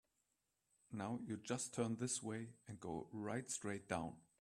Now you just turn this way and go right straight down.